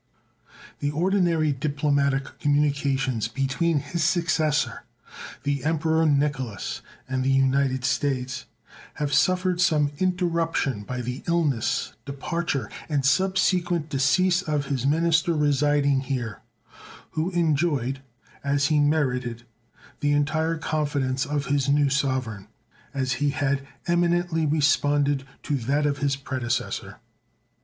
The ordinary diplomatic communications between his successor, the Emperor Nicholas, and the United States have suffered some interruption by the illness, departure, and subsequent decease of his minister residing here, who enjoyed, as he merited, the entire confidence of his new sovereign, as he had eminently responded to that of his predecessor.